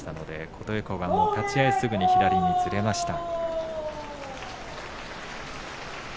琴恵光がすぐに左にずれました。